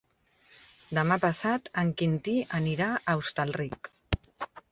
Demà passat en Quintí anirà a Hostalric.